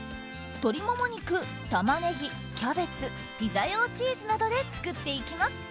鶏モモ肉、タマネギ、キャベツピザ用チーズなどで作っていきます。